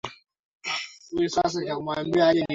miaka milioni mbili point nne iliyopita Hii